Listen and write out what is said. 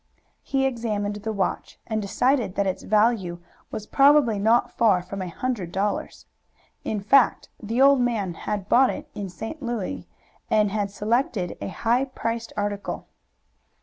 He examined the watch, and decided that its value was probably not far from a hundred dollars. In fact, the old man had bought it in St. Louis, and had selected a high priced article.